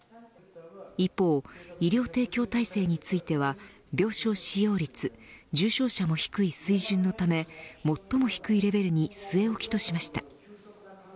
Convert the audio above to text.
一方、医療提供体制については病床使用率重症者も低い水準のため最も低いレベルに据え置きとしました。